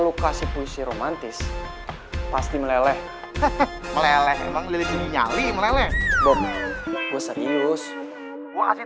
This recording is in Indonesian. lu kasih puisi romantis pasti meleleh meleleh emang lebih nyali meleleh gua serius gua kasih